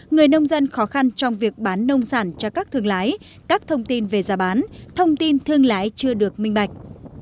người nông dân khó khăn trong việc bán nông sản cho các thương lái các thông tin về giá bán thông tin thương lái chưa được minh bạch